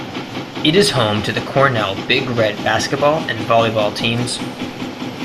It is home to the Cornell Big Red basketball and volleyball teams.